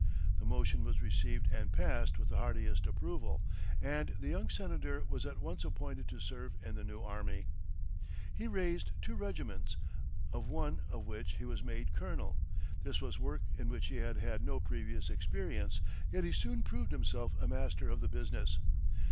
The motion was received and passed with the heartiest approval, and the young Senator was at once appointed to serve in the new army. He raised two regiments, of one of which he was made colonel. This was work in which he had had no previous experience; yet he soon proved himself a master of the business.